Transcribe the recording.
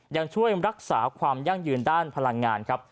ยังช่วยรักษาความยั่งยืนด้านพลังงานครับ